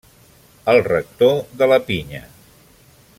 El Rector de La Pinya.